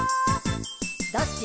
「どっち？」